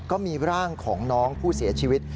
ก็มีร่างของน้องผู้เสียชีวิต